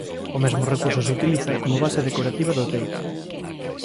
O mesmo recurso se utiliza como base decorativa do teito.